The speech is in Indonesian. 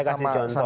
saya kasih contoh